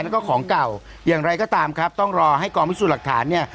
แล้วก็ของเก่าอย่างไรก็ตามครับต้องรอให้กองพิสูจน์หลักฐานเนี่ย